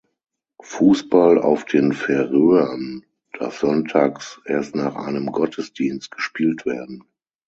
Fußball auf den Färöern darf sonntags erst nach einem Gottesdienst gespielt werden.